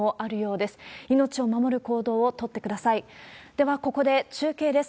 では、ここで中継です。